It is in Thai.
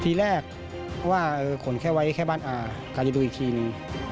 ทีแรกว่าขนแค่ไว้แค่บ้านอาใครจะดูอีกทีนึง